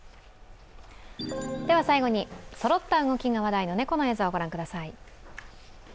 最後に、そろった動きが話題の猫の映像、御覧ください。